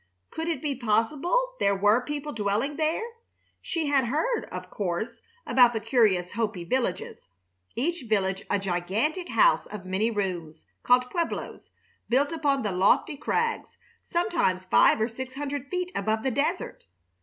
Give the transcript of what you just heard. Could it be possible there were people dwelling there? She had heard, of course, about the curious Hopi villages, each village a gigantic house of many rooms, called pueblos, built upon the lofty crags, sometimes five or six hundred feet above the desert.